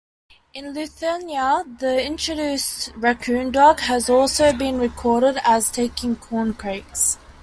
In Lithuania, the introduced raccoon dog has also been recorded as taking corn crakes.